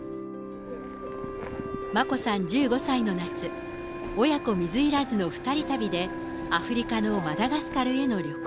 眞子さん１５歳の夏、親子水入らずの２人旅で、アフリカのマダガスカルへの旅行。